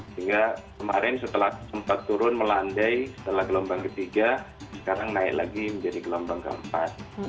sehingga kemarin setelah sempat turun melandai setelah gelombang ketiga sekarang naik lagi menjadi gelombang keempat